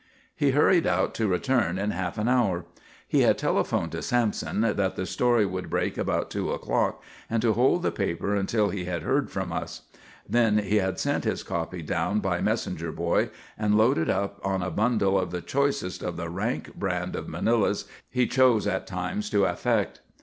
He hurried out to return in half an hour. He had telephoned to Sampson that the story would break about two o'clock and to hold the paper until he had heard from us; then he had sent his copy down by messenger boy and loaded up on a bundle of the choicest of the rank brand of Manilas he chose at times to affect.